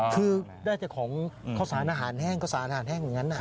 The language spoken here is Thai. คือได้แต่ของข้าวสารอาหารแห้งข้าวสารอาหารแห้งอย่างนั้น